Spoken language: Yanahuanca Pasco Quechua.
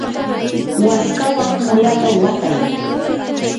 waskawan mulata watay.